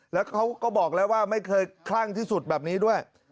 แล้วเขาก็บอกแล้วว่าไม่เคยคลั่งที่สุดแบบนี้ด้วย